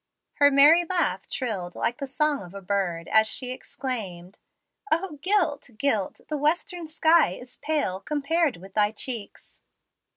Her merry laugh trilled like the song of a bird, as she exclaimed. "O guilt, guilt! the western sky is pale compared with thy cheeks."